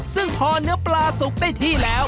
ซึ่งพอเนื้อปลาสุกได้ที่แล้ว